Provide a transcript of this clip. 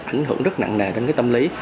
ảnh hưởng rất nặng nề đến cái tâm lý